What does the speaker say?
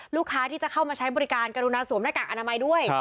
ลูกค้าที่จะเข้ามาใช้บริการกรุณาสวมหน้ากากอนามัยด้วย